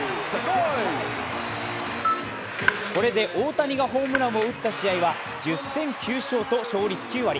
これで大谷がホームランを打った試合は１０戦９勝と勝率９割。